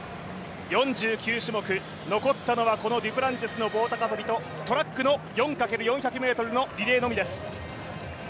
４９種目、残ったのはこのデュプランティスの棒高跳とトラックの４×４００ｍのリレーのみです。